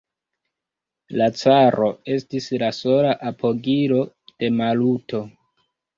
La caro estis la sola apogilo de Maluto.